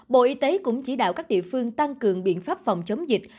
bộ y tế cũng chỉ đạo các địa phương tăng cường biện pháp phòng chống dịch